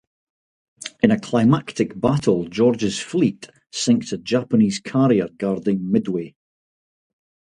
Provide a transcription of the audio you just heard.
In a climactic battle, George's fleet sinks a Japanese carrier guarding Midway.